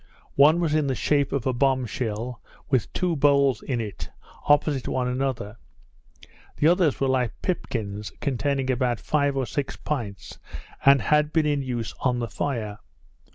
One was in the shape of a bomb shell, with two boles in it, opposite each other; the others were like pipkins, containing about five or six pints, and had been in use on the fire.